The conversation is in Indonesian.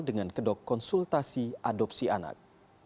dengan kedok konsultasi adopsi anak